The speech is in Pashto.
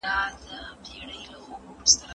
که پښتون ته موقع ورکړل شي، هر څه کولای شي.